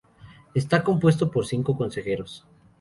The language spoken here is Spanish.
Está compuesto por cinco consejeros.